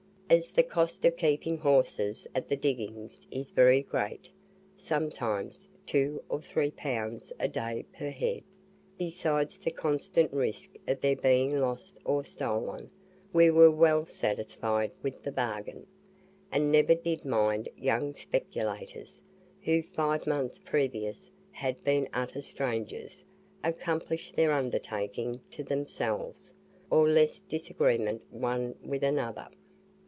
As the cost of keeping horses at the diggings is very great (sometimes two or three pounds a day per head), besides the constant risk of their being lost or stolen, we were well satisfied with the bargain; and never did mind young speculators, who five months previous had been utter strangers, accomplish their undertaking to themselves, or less disagreement one with another.